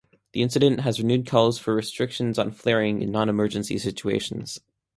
The incident has renewed calls for restrictions on flaring in non-emergency situations.